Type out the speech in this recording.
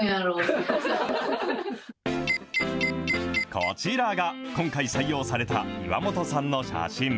こちらが、今回採用された岩本さんの写真。